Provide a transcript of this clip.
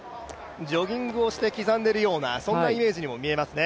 ジョギングをして刻んでるようなそんなイメージにも見えますね。